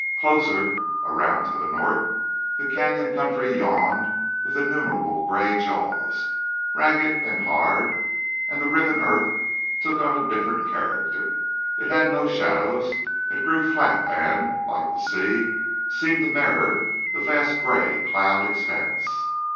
Closer, around to the north, the canyon country yawned with innumerable gray jaws, ragged and hard, and the riven earth took on a different character. It had no shadows. It grew flat and, like the sea, seemed to mirror the vast gray cloud expanse.